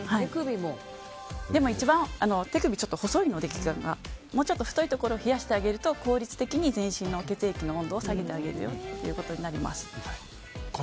でも一番手首は細いのでもうちょっと太いところを冷やしてあげると効率的に全身の血液の温度を下げてあげることになります。